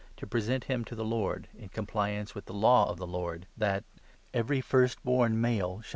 to present h|m to ^g Lord, in compliance 23 with the Law of the Lord that ' every first born male shall be " Ps.